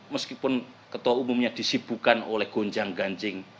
meskipun ketua umumnya disibukan oleh gonjang ganjing